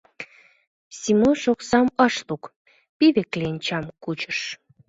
Симош оксам ыш лук, пиве кленчам кучыш.